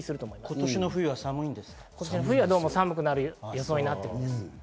今年の冬はどうも寒くなる予想になっています。